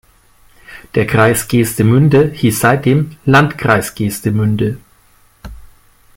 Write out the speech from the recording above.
Der Kreis Geestemünde hieß seitdem "Landkreis Geestemünde".